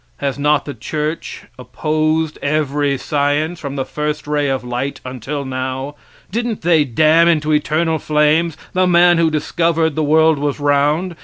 Has not the church opposed every science from the first ray of light until now? Didn't they damn into eternal flames the man who discovered the world was round?